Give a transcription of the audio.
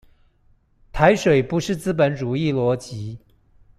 台水不是資本主義邏輯